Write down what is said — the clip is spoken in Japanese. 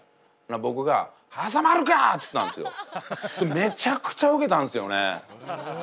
僕がめちゃくちゃウケたんですよね。